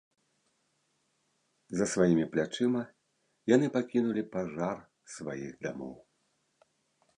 За сваімі плячыма яны пакінулі пажар сваіх дамоў.